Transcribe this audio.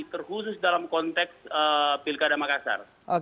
terkhusus dalam konteks pilkada makassar